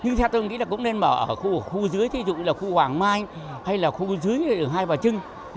nhưng theo tôi nghĩ là cũng nên mở ở khu dưới thí dụ như là khu hoàng mai hay là khu dưới hai bà trưng